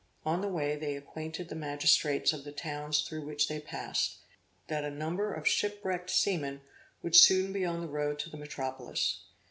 On the way they acquainted the magistrates of the towns through which they passed, that a number of shipwrecked seamen would soon be on the road to the metropolis.